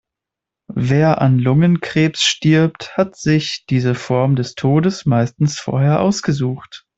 Wer an Lungenkrebs stirbt, hat sich diese Form des Todes meistens vorher ausgesucht.